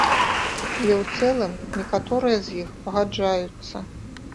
Але ў цэлым некаторыя з іх пагаджаюцца.